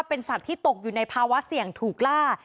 เป็นสัตว์ที่ตกอยู่ในภาวะเสี่ยงถูกล่า